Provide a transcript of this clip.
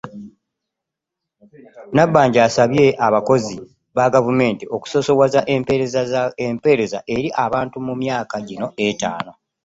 Nabbanja asabye abakozi ba gavumenti okusoosowaza empeereza eri abantu mu myaka gino etaano